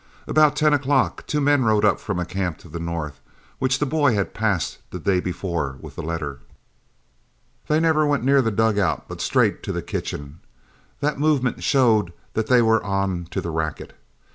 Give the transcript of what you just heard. About ten o'clock two men rode up from a camp to the north, which the boy had passed the day before with the letter. They never went near the dug out, but straight to the kitchen. That movement showed that they were on to the racket.